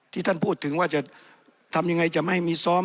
ท่านพูดถึงว่าจะทำยังไงจะไม่ให้มีซ้อม